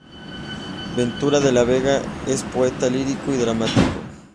Ventura de la Vega es poeta lírico y dramático.